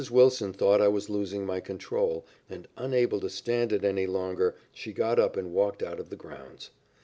Wilson thought I was losing my control, and unable to stand it any longer she got up and walked out of the grounds.